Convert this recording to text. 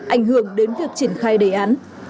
ảnh hưởng đến việc triển khai đề án